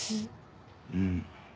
うん。